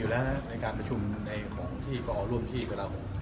อยู่แล้วนะในการภาชุมในของที่กรอล่วมที่กราเนย